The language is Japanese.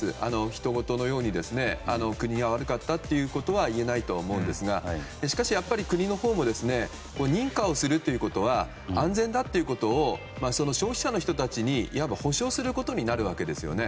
ひとごとのように国が悪かったということは言えないと思うんですがしかし、やっぱり国のほうも認可をするということは安全だということを消費者の人たちに保障することになるわけですよね。